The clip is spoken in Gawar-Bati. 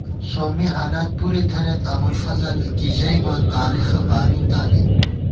سومّی حالات پُرےتھنئیت ابُوالفضل کی ژئیبہ تارېخہ بالِؤتانئ